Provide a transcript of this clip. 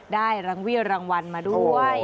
ได้รังวิวรางวัลมาด้วย